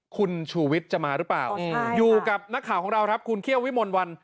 คุณชูวิทย์จะมาหรือเปล่าอยู่กับนักข่าวของเราครับคุณเคี่ยววิมลวัน